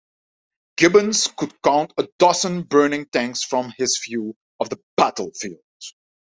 Gibbons could count a dozen burning tanks from his view of the battlefield.